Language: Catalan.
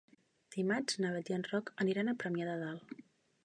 Dimarts na Bet i en Roc aniran a Premià de Dalt.